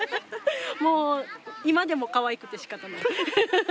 もう今でもかわいくてしかたない。